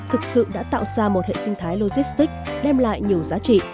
thực sự đã tạo ra một hệ sinh thái logistic đem lại nhiều giá trị